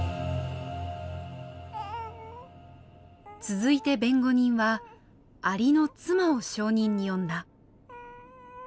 続いて弁護人はアリの妻を証人に呼んだ。